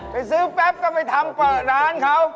ซื้อแป๊บก็ไปทำเปิดร้านเขา